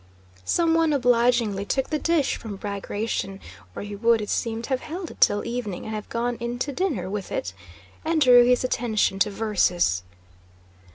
Someone obligingly took the dish from Bagratión (or he would, it seemed, have held it till evening and have gone in to dinner with it) and drew his attention to the verses.